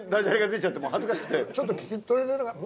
ちょっと聞き取れなかった。